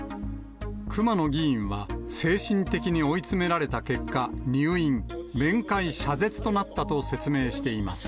熊野議員は、精神的に追い詰められた結果、入院、面会謝絶となったと説明しています。